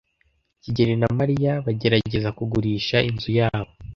kigeli na Mariya bagerageza kugurisha inzu yabo.